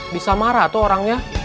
bisa marah tuh orangnya